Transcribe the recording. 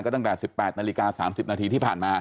ตั้งแต่๑๘นาฬิกา๓๐นาทีที่ผ่านมา